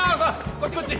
こっちこっち！